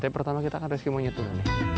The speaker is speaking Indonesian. tapi pertama kita akan rescue monyet dulu